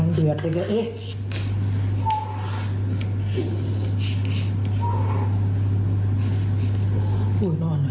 เนี่ยตำรวงเดือดเลยเยอะ